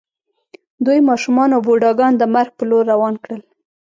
دوی ماشومان او بوډاګان د مرګ په لور روان کړل